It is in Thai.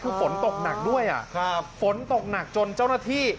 คือฝนตกหนักด้วยฝนตกหนักจนเจ้าหน้าที่